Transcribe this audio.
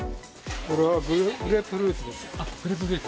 これはグレープフルーツです。